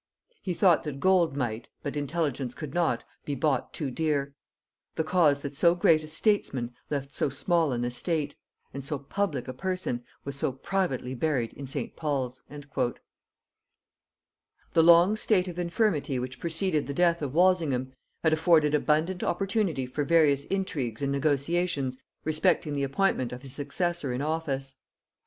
He thought that gold might, but intelligence could not, be bought too dear; the cause that so great a statesman left so small an estate, and so public a person was so privately buried in St. Pauls." [Note 102: Fuller's Worthies in Kent.] The long state of infirmity which preceded the death of Walsingham, had afforded abundant opportunity for various intrigues and negotiations respecting the appointment of his successor in office.